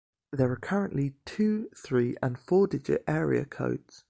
There are currently two-, three-, and four-digit area codes.